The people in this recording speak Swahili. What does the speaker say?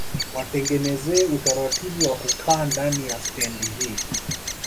Watengenezee utaratibu wa kukaa ndani ya stendi hii